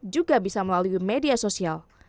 juga bisa melalui media sosial